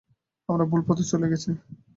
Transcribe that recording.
আমরা ভুল পথে চলে গেছি!